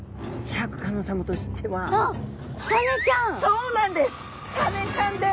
あっそうなんです。